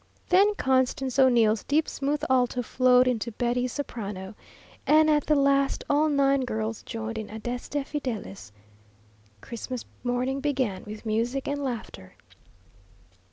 Then Constance O'Neill's deep, smooth alto flowed into Betty's soprano; and at the last all nine girls joined in "Adeste Fideles." Christmas morning began with music and laughter.